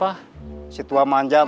maksud saya bukan itu